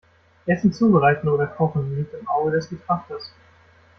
Essen zubereiten oder kochen liegt im Auge des Betrachters.